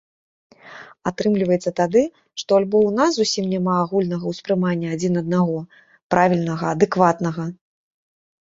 Атрымліваецца тады, што альбо ў нас зусім няма агульнага ўспрымання адзін аднаго, правільнага, адэкватнага.